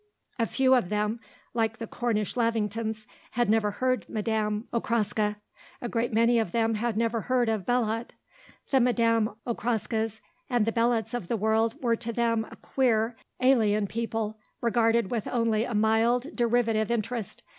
A few of them, like the Cornish Lavingtons, had never heard Madame Okraska; a great many of them had never heard of Belot. The Madame Okraskas and the Belots of the world were to them a queer, alien people, regarded with only a mild, derivative interest.